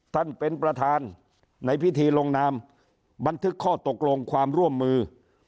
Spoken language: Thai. ท่านประธานเป็นประธานในพิธีลงนามบันทึกข้อตกลงความร่วมมือ